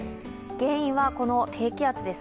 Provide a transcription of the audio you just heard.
原因はこの低気圧です。